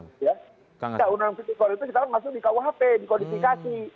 ya undang undang titikor itu sekarang masuk di kuhp dikodifikasi